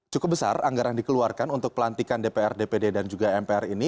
cukup besar anggaran dikeluarkan untuk pelantikan dpr dpd dan juga mpr ini